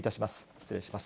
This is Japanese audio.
失礼します。